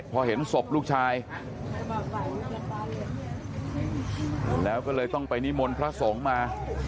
พอเห็นศพลูกชายแล้วก็เลยต้องไปนิมนต์พระสงฆ์มา